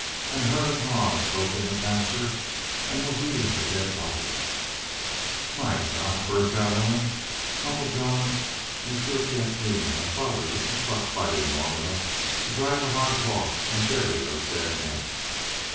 An' a herd of hogs broke in the pasture an' was eatin' the dead bodies ..." "My God!" burst out Ellen. "Uncle John, y'u shore cain't mean my father wouldn't stop fightin' long enough to drive the hogs off an' bury those daid men?"